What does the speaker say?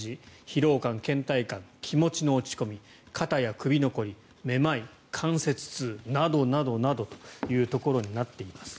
疲労感・けん怠感気持ちの落ち込み肩や首の凝り、めまい関節痛などなどとなっています。